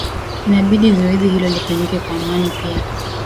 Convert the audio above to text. inabidi zoezi hilo lifanyike kwa amani pia